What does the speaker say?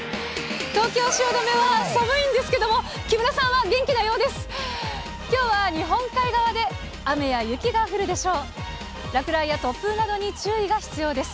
東京・汐留は寒いんですけども、木村さんは元気なようです。